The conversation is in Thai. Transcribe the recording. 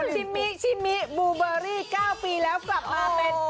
ซิมิชิมิบูเบอรี่๙ปีแล้วกลับมาเป็น